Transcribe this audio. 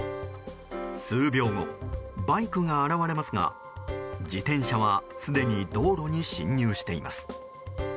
数秒後、バイクが現れますが自転車はすでに道路に進入しています。